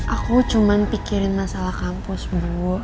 aku cuma pikirin masalah kampus dulu